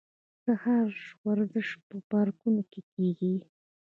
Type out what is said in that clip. د سهار ورزش په پارکونو کې کیږي.